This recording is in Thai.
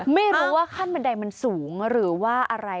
ไม่รู้ว่าขั้นบันไดมันสูงหรือว่าอะไร